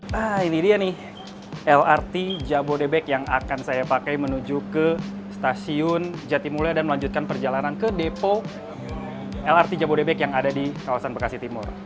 nah ini dia nih lrt jabodebek yang akan saya pakai menuju ke stasiun jatimula dan melanjutkan perjalanan ke depo lrt jabodebek yang ada di kawasan bekasi timur